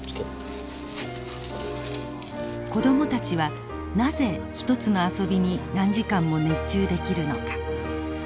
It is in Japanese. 子供たちはなぜ一つの遊びに何時間も熱中できるのか。